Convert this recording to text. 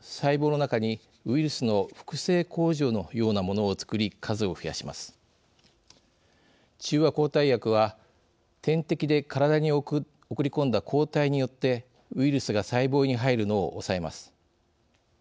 中和抗体薬は点滴で体に送り込んだ抗体によってウイルスが細胞に入るのを抑えます。